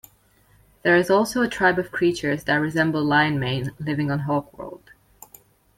There is also a tribe of creatures that resemble Lion-Mane living on Hawkworld.